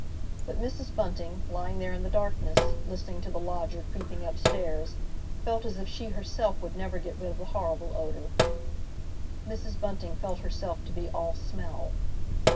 But Mrs. Bunting, lying there in the darkness, listening to the lodger creeping upstairs, felt as if she herself would never get rid of the horrible odour. Mrs. Bunting felt herself to be all smell.